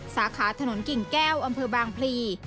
สาขาถนนกิ่งแก้วอำเภอบางพลี